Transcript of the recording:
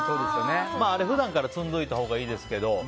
普段から積んどいたほうがいいですけど。